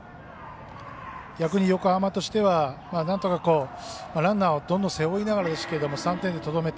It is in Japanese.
逆に横浜としてはなんとかランナーをどんどん背負いながらですけども３点にとどめた。